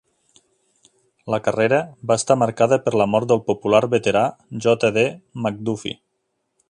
La carrera va estar marcada per la mort del popular veterà J. D. McDuffie.